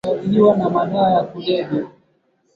Mtazamo wa Kiislamu humtazama Yesu katika sanaa